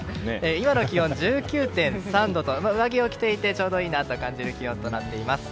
今の気温、１９．３度と上着を着ていてちょうどいいと感じる気温になっています。